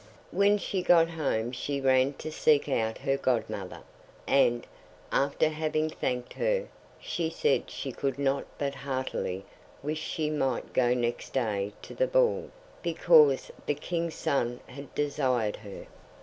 When she got home she ran to seek out her godmother, and, after having thanked her, she said she could not but heartily wish she might go next day to the ball, because the King's son had desired her.